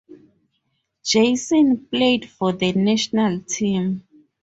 Janson played for the National Team.